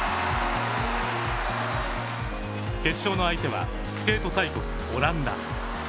決勝の相手はスケート大国オランダ。